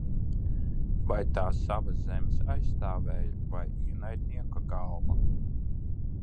Vai tā savas zemes aizstāvēja, vai ienaidnieka galva?